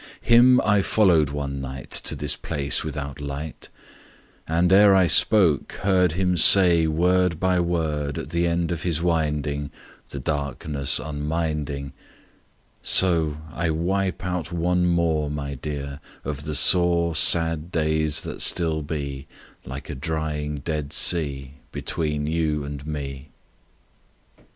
Him I followed one night To this place without light, And, ere I spoke, heard Him say, word by word, At the end of his winding, The darkness unminding:— "So I wipe out one more, My Dear, of the sore Sad days that still be, Like a drying Dead Sea, Between you and me!"